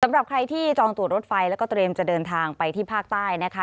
สำหรับใครที่จองตัวรถไฟแล้วก็เตรียมจะเดินทางไปที่ภาคใต้นะคะ